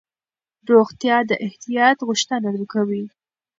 روغتیا د احتیاط غوښتنه کوي.